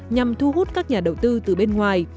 nhằm thu hút các nhà đầu tư từ bên ngoài